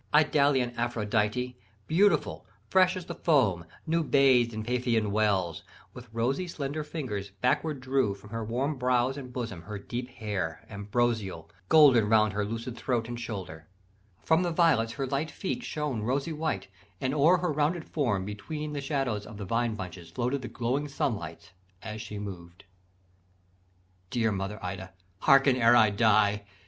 Idalian Aphroditè beautiful, Fresh as the foam, new bathed in Paphian wells, With rosy slender fingers backward drew From her warm brows and bosom her deep hair Ambrosial, golden round her lucid throat And shoulder: from the violets her light feet Shone rosy white, and o'er her rounded form Between the shadows of the vine bunches Floated the glowing sunlights as she moved. "Dear mother Ida, harken ere I die.